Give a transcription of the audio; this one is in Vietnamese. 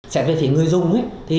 xem về phía người dùng